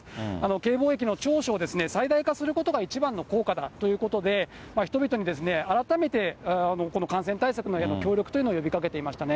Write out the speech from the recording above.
Ｋ防疫の長所を最大化することが一番の効果だということで、人々に改めて、この感染対策のやっぱり協力というのを呼びかけていましたね。